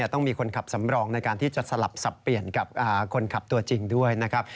ต้องมีคนขับสำรองในการที่จะสลับสับเปลี่ยนกับคนขับตัวจริงด้วยนะครับ